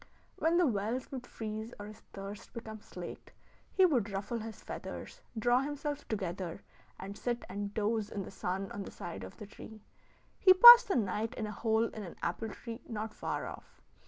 When the wells would freeze or his thirst become slaked, he would ruffle his feathers, draw himself together, and sit and doze in the sun on the side of the tree. He passed the night in a hole in an apple tree not far off.